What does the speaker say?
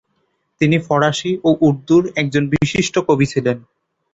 তিনি ফারসি ও উর্দুর একজন বিশিষ্ট কবি ছিলেন।